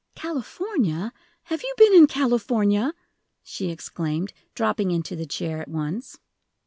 "California! Have you been in California?" she exclaimed, dropping into the chair at once.